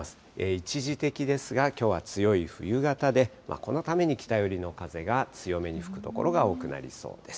一時的ですが、きょうは強い冬型で、このために北寄りの風が強めに吹く所が多くなりそうです。